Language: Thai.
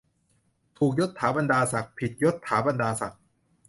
ถูก ยศถาบรรดาศักดิ์ ผิด ยศฐาบรรดาศักดิ์